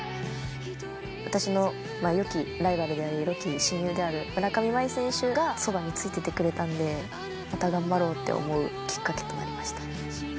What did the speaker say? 私の良きライバルであり良き親友である村上茉愛選手がそばに付いててくれたんでまた頑張ろうって思うきっかけとなりました。